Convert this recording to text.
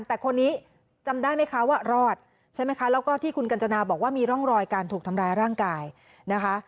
แต่คนนี้จำได้ไหมคะว่ารอดใช่ไหมคะแล้วก็ที่คุณกัญจนาบอกว่ามีร่องรอยการถูกทำร้ายร่างกายนะคะ